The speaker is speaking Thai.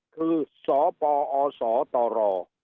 คือสปอศตร